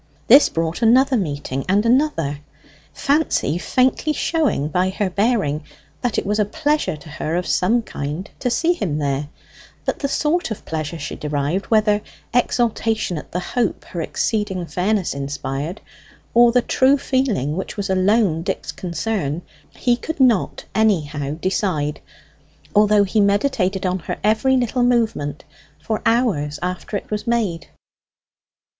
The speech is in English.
This brought another meeting, and another, Fancy faintly showing by her bearing that it was a pleasure to her of some kind to see him there; but the sort of pleasure she derived, whether exultation at the hope her exceeding fairness inspired, or the true feeling which was alone Dick's concern, he could not anyhow decide, although he meditated on her every little movement for hours after it was made.